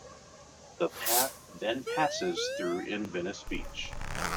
The path then passes through in Venice Beach.